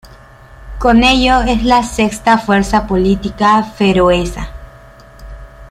Con ello es la sexta fuerza política feroesa.